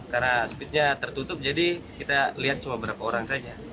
karena speednya tertutup jadi kita lihat cuma berapa orang saja